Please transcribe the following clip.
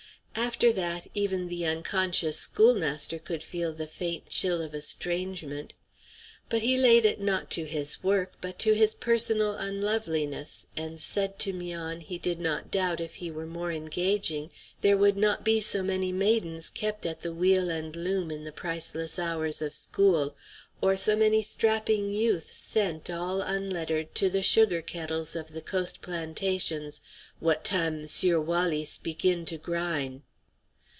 After that, even the unconscious schoolmaster could feel the faint chill of estrangement. But he laid it not to his work, but to his personal unloveliness, and said to 'Mian he did not doubt if he were more engaging there would not be so many maidens kept at the wheel and loom in the priceless hours of school, or so many strapping youths sent, all unlettered, to the sugar kettles of the coast plantations what time M'sieu' Walleece big in to gryne.